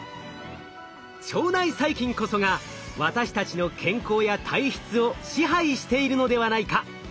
腸内細菌こそが私たちの健康や体質を支配しているのではないか。